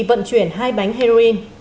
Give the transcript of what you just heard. vận chuyển hai bánh heroin